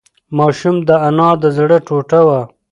ماشوم د انا د زړه ټوټه وه.